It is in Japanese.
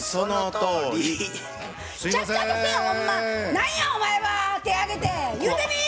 何やお前は手挙げて言うてみ！